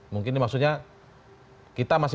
mungkin maksudnya kita masih